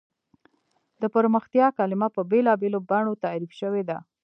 د پرمختیا کلیمه په بېلا بېلو بڼو تعریف شوې ده.